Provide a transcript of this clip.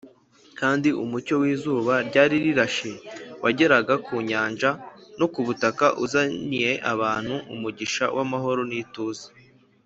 kandi umucyo w’izuba ryari rirashe wageraga ku nyanja no ku butaka uzaniye abantu umugisha w’amahoro n’ituze